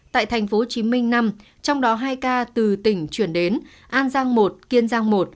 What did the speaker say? tại tp hcm năm trong đó hai ca từ tỉnh chuyển đến an giang một kiên giang một